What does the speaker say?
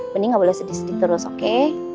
bening gak boleh sedih sedih terus oke